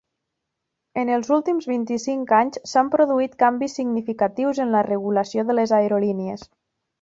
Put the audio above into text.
En els últims vint-i-cinc anys s'han produït canvis significatius en la regulació de les aerolínies.